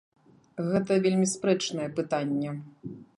Гэта вельмі спрэчнае пытанне.